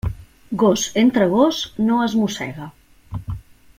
Gos entre gos no es mossega.